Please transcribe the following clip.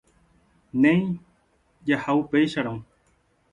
Néi, jaha upéicharõ.